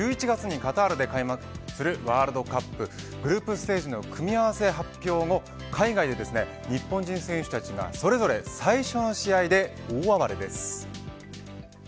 １１月にカタールで開幕するワールドカップグループステージの組み合わせ発表後海外で日本人選手たちがそれぞれ最初の試合で大暴れです。